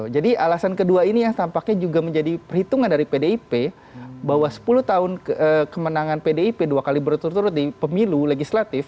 jadi alasan kedua ini yang tampaknya juga menjadi perhitungan dari pdip bahwa sepuluh tahun kemenangan pdip dua kali berturut turut di pemilu legislatif